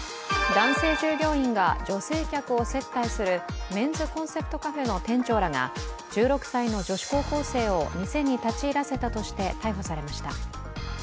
男性従業員が女性を接待するメンズコンセプトカフェの店長らが１６歳の女子高校生を店に立ち入らせたとして逮捕されました。